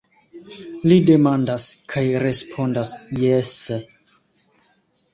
Li demandas – kaj respondas jese.